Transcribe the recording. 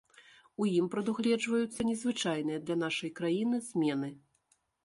У ім прадугледжваюцца незвычайныя для нашай краіны змены.